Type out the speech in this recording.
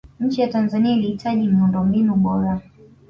nchi ya tanzania ilihitaji miundombinu bora